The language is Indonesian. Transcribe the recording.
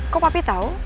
kok papi tahu